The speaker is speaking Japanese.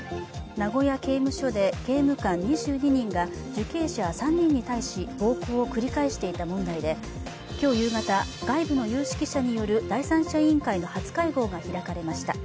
名古屋刑務所で刑務官２２人が受刑者３人に対し暴行を繰り返していた問題で今日夕方外部の有識者による第三者委員会の初会合が開かれました。